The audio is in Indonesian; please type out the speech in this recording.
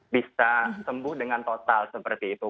bisa sembuh dengan total seperti itu